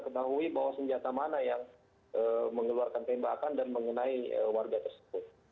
ketahui bahwa senjata mana yang mengeluarkan tembakan dan mengenai warga tersebut